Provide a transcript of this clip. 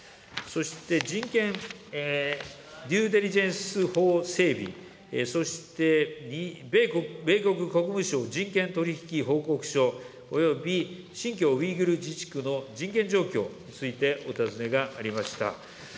そして、人権デューデリジェンス法整備、そして米国国務省人権取り引き報告書、および新疆ウイグル自治区の人権状況についてお尋ねがありました。